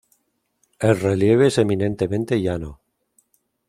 El relieve es eminentemente llano.